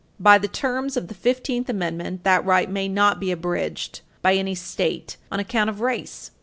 By the terms of the Fifteenth Amendment, that right may not be abridged by any state on account of race.